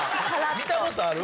見たことある？